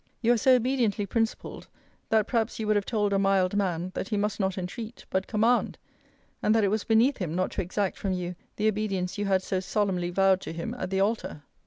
You are so obediently principled, that perhaps you would have told a mild man, that he must not entreat, but command; and that it was beneath him not to exact from you the obedience you had so solemnly vowed to him at the altar.